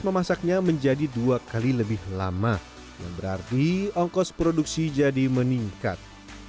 memasaknya menjadi dua kali lebih lama yang berarti ongkos produksi jadi meningkat